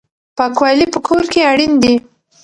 پاکوالی په کور کې اړین دی.